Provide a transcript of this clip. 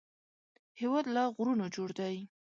هېواد له غرونو جوړ دی